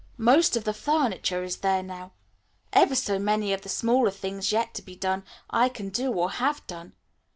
Most of the furniture is there now. Ever so many of the smaller things yet to be done, I can do or have done.